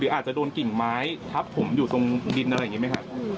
อาจจะโดนกิ่งไม้ทับผมอยู่ตรงดินอะไรอย่างนี้ไหมครับ